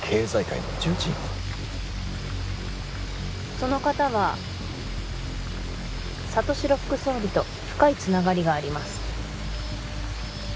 その方は里城副総理と深いつながりがあります